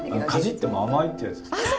かじっても甘いってやつですか？